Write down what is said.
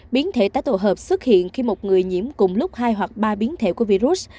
biến thể tái tổ hợp xuất hiện khi một người nhiễm cùng lúc hai hoặc ba biến thể của virus